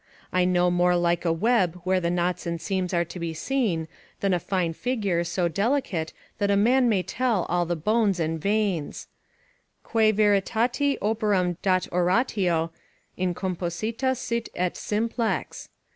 I no more like a web where the knots and seams are to be seen, than a fine figure, so delicate, that a man may tell all the bones and veins: "Quae veritati operam dat oratio, incomposita sit et simplex."